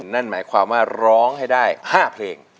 นั่นหมายความว่าร้องให้ได้๕เพลง